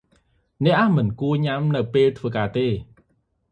អ្នកមិនគួរញ៉ាំនៅពេលធ្វើការទេ ។